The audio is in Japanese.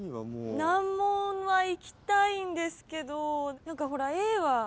難問はいきたいんですけど何かほらＡは。